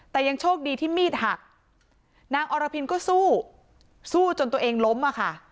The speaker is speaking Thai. แต่ยังโชคดีที่มีดหักนางอรพินก็สู้สู้จนตัวเองล้มอะค่ะ